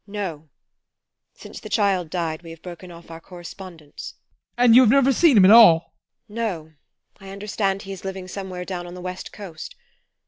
TEKLA. No! Since the child died we have broken off our correspondence. ADOLPH. And you have never seen him at all? TEKLA. No, I understand he is living somewhere down on the West Coast.